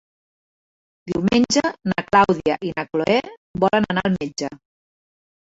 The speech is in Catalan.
Diumenge na Clàudia i na Cloè volen anar al metge.